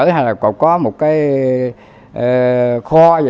hay là có một cái kho